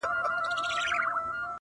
په جهان جهان غمو یې ګرفتار کړم-